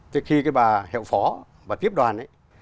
thế khi cái bà hẹo phó bà tiếp đoàn ấy